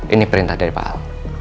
ini perintah dari pak ahok